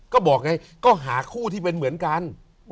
ก็บอกไงก็หาคู่ที่เป็นเหมือนกัน